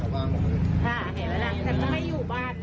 เห็นไหมล่ะแต่ไม่อยู่บ้านนะ